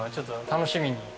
楽しみに。